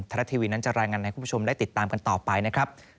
ทะเละทีวีนั้นจะรายงานให้คุณผู้ชมได้ติดตามกันต่อไป